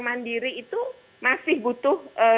mandiri itu masih butuh